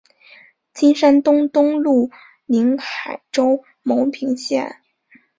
金山东东路宁海州牟平县。